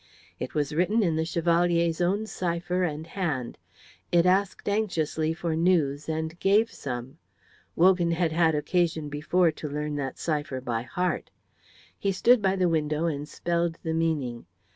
It was written in the Chevalier's own cipher and hand; it asked anxiously for news and gave some. Wogan had had occasion before to learn that cipher by heart. He stood by the window and spelled the meaning.